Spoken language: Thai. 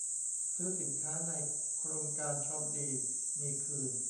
ซื้อสินค้าในโครงการช้อปดีมีคืน